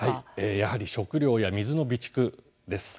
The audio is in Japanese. やはり食料や水の備蓄です。